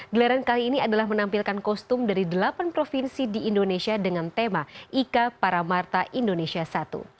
gelaran kali ini adalah menampilkan kostum dari delapan provinsi di indonesia dengan tema ika paramarta indonesia i